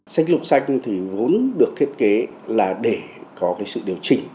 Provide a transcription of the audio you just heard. danh lục xanh thì vốn được thiết kế là để có sự điều chỉnh